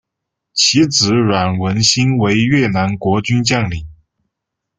其子阮文馨为越南国军将领。